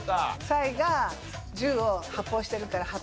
サイが銃を発砲してるから八宝菜。